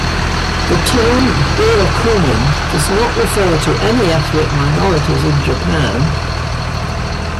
The term burakumin does not refer to any ethnic minorities in Japan.